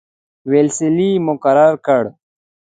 ویلسلي مقرر کړ.